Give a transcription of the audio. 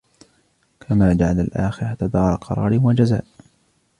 كَمَا جَعَلَ الْآخِرَةَ دَارَ قَرَارٍ وَجَزَاءٍ